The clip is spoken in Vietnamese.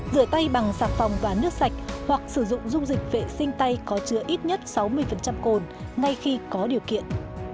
rửa tay bằng sạc phòng và nước sạch hoặc sử dụng dung dịch vệ sinh tay có chứa ít nhất sáu mươi cồn ngay khi có điều kiện